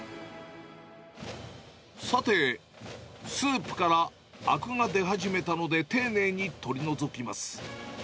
さて、スープからあくが出始めたので丁寧に取り除きます。